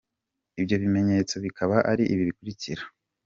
Ibyo bimenyetso bikaba ari ibi bikurikira:.